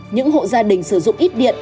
những hộ gia đình sử dụng ít điện